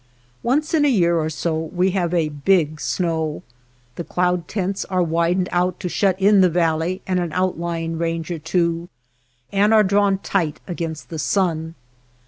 Once in a year or so we have a " big snow." The cloud tents are widened out to shut in the valley and an outlying range or two and are drawn tight against the sun.